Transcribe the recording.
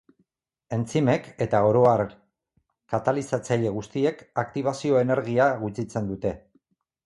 Entzimek, eta oro har katalizatzaile guztiek, aktibazio energia gutxitzen dute.